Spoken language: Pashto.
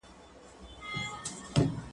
ایا ته کار کوې!.